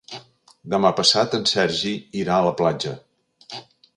Demà passat en Sergi irà a la platja.